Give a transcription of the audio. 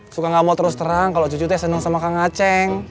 suka gak mau terus terang kalau cucu teh senang sama kang aceh